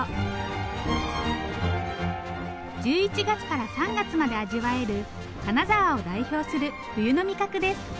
１１月から３月まで味わえる金沢を代表する冬の味覚です。